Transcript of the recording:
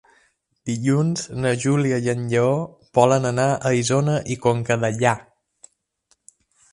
Dilluns na Júlia i en Lleó volen anar a Isona i Conca Dellà.